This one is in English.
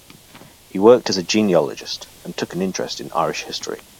He worked as a genealogist and took an interest in Irish history.